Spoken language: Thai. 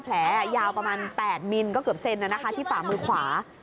แผลยาวประมาณ๘มิลก็เกือบเซนที่ฝ่ามือขวา